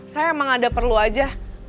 saya emang ada perlu aja